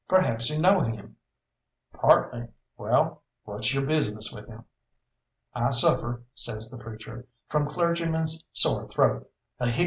Perhaps you know him?" "Partly. Well, what's your business with him?" "I suffer," says the preacher, "from clergyman's sore throat ahic!